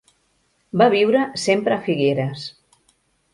Va viure sempre a Figueres.